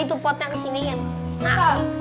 itu potnya kesini yang keras